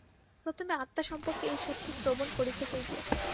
প্রথমে আত্মা সম্পর্কে এই সত্য শ্রবণ করিতে হইবে।